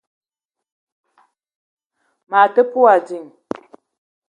Mag me te pe wa ding.